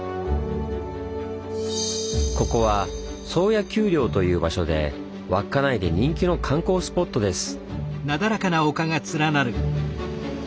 ここは宗谷丘陵という場所で稚内で人気の観光スポットです。